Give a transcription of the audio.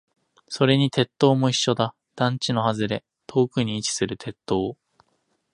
それに鉄塔も一緒だ。団地の外れ、遠くに位置する鉄塔。